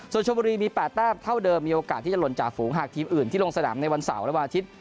ส่วนชมบุรีมี๘แต้มเท่าเดิมมีโอกาสที่จะหล่นจากฝูงหากทีมอื่นที่ลงสนามในวันเสาร์และวันอาทิตย์